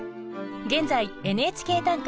現在「ＮＨＫ短歌」